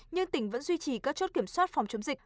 nhưng tỉnh vẫn duy trì các chốt kiểm soát phòng chống dịch